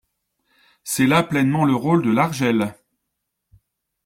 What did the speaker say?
C’est là pleinement le rôle de l’ARJEL.